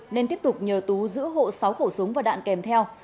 nên tiếp tục nhờ tú giữ hộ sáu khẩu súng và đạn kèm theo